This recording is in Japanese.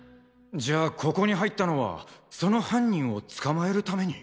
じゃあここに入ったのはその犯人を捕まえるために？